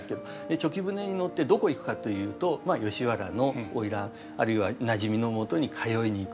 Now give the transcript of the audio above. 猪牙舟に乗ってどこ行くかというと吉原の花魁あるいはなじみのもとに通いに行く。